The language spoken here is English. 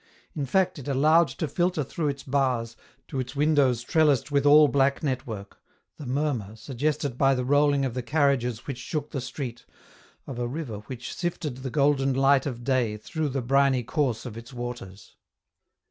In fact it allowed to filter through its bars, to its windows trellised with all black network, the murmur, suggested by the rolling of the carriages which shook the street, of a river which sifted the golden light of day through the briny course of its waters.